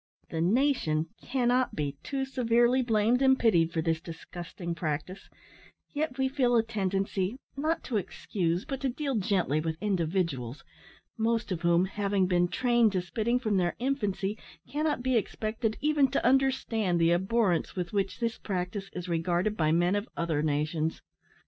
The nation cannot be too severely blamed and pitied for this disgusting practice, yet we feel a tendency, not to excuse, but to deal gently with individuals, most of whom, having been trained to spitting from their infancy, cannot be expected even to understand the abhorrence with which the practice is regarded by men of other nations.